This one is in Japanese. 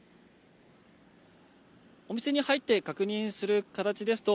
お店に入って確認する形ですと、